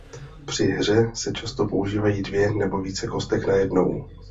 Při hře se často používají dvě nebo více kostek najednou.